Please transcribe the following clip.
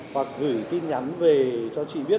hoặc gửi tin nhắn về cho chị biết